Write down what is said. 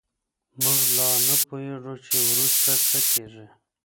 موږ لا نه پوهېږو چې وروسته څه کېږي.